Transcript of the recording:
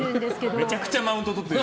めちゃくちゃマウント取ってる。